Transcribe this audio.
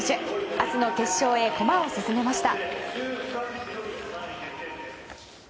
明日の決勝へ駒を進めました。